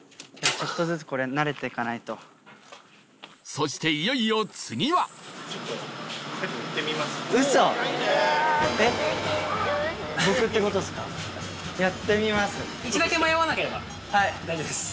そしていよいよ次はえっ⁉大丈夫です